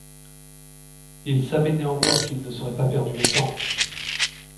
Il savait néanmoins qu’il ne serait pas perdu longtemps.